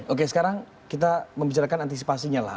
oke sekarang kita membicarakan antisipasinya lah